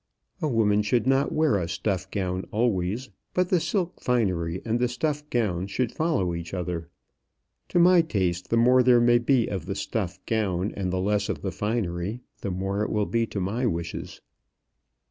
"A woman should not wear a stuff gown always; but the silk finery and the stuff gown should follow each other. To my taste, the more there may be of the stuff gown and the less of the finery, the more it will be to my wishes."